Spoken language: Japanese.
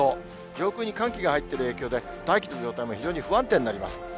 上空に寒気が入っている影響で、大気の状態も非常に不安定になります。